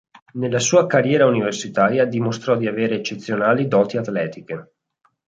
Nella sua carriera universitaria dimostrò di avere eccezionali doti atletiche.